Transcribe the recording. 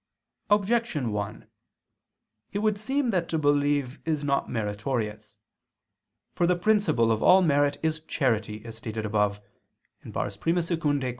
Objection 1: It would seem that to believe is not meritorious. For the principle of all merit is charity, as stated above (I II, Q.